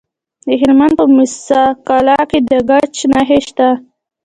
د هلمند په موسی قلعه کې د ګچ نښې شته.